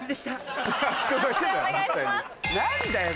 何だよ？